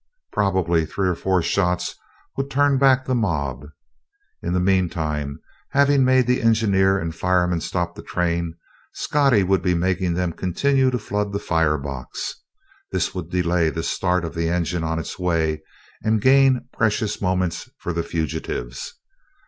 Probably three or four shots would turn back the mob. In the meantime, having made the engineer and fireman stop the train, Scottie would be making them continue to flood the fire box. This would delay the start of the engine on its way and gain precious moments for the fugitives.